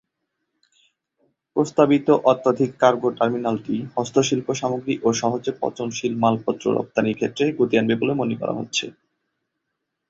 প্রস্তাবিত অত্যধিক কার্গো টার্মিনালটি হস্তশিল্প সামগ্রী ও সহজে পচনশীল মালপত্র রফতানির ক্ষেত্রে গতি আনবে বলে মনে করা হচ্ছে।